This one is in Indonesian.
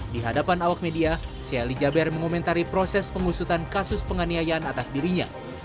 di hadapan awak media sheikh ali jaber mengomentari proses pengusutan kasus penganiayaan atas dirinya